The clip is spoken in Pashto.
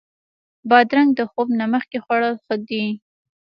بادرنګ د خوب نه مخکې خوړل ښه دي.